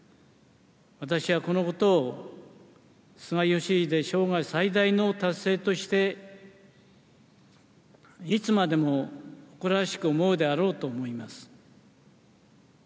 私はこのことを、菅義偉生涯最大の達成として、いつまでも誇らしく思うであろうと思います。